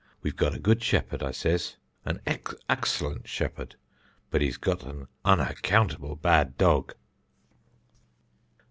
We've got a good shepherd, I says, an axcellent shepherd, but he's got an unaccountable bad dog!"